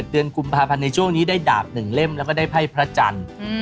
เดือนกุมภาพันธ์ได้เต่าหนึ่งเล่มและได้ภายการไลน์มัน